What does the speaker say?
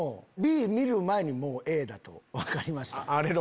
見る前にＡだと分かりました。